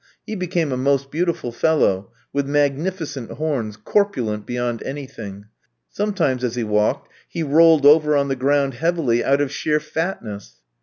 He became a most beautiful fellow, with magnificent horns, corpulent beyond anything. Sometimes as he walked, he rolled over on the ground heavily out of sheer fatness.